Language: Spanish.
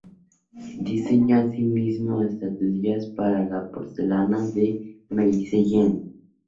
Diseñó asimismo estatuillas para la porcelana de Meissen.